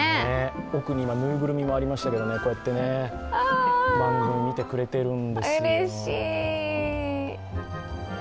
奥に今、ぬいぐるみもありましたけどこうやって何度も見てくれてるんですよ。